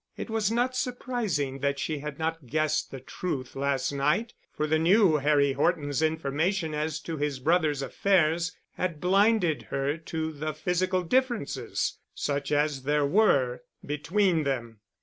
It was not surprising that she had not guessed the truth last night, for the new Harry Horton's information as to his brother's affairs had blinded her to the physical differences such as there were, between them.